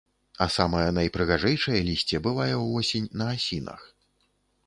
А самае найпрыгажэйшае лісце бывае ўвосень на асінах.